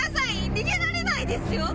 逃げられないですよ？